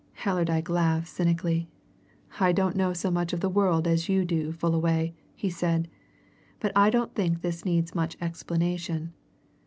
Allerdyke laughed cynically. "I don't know so much of the world as you do, Fullaway," he said, "but I don't think this needs much explanation.